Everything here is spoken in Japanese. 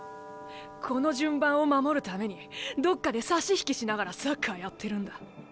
この順番を守るためにどっかで差し引きしながらサッカーやってるんだ。